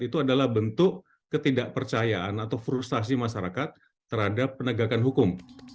itu adalah bentuk ketidakpercayaan atau frustasi masyarakat terhadap penegakan hukum